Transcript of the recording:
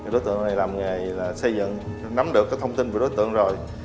đối tượng này làm nghề là xây dựng nắm được cái thông tin về đối tượng rồi